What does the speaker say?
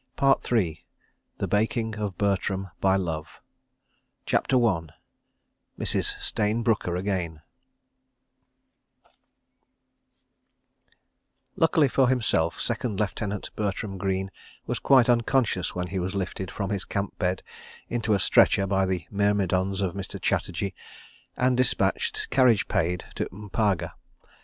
PART III THE BAKING OF BERTRAM BY LOVE CHAPTER I Mrs. Stayne Brooker Again Luckily for himself, Second Lieutenant Bertram Greene was quite unconscious when he was lifted from his camp bed into a stretcher by the myrmidons of Mr. Chatterji and dispatched, carriage paid, to M'paga.